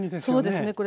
そうですね